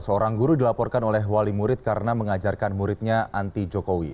seorang guru dilaporkan oleh wali murid karena mengajarkan muridnya anti jokowi